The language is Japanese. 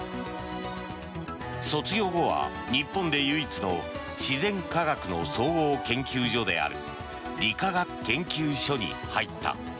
卒業後は日本で唯一の自然科学の総合研究所である理化学研究所に入った。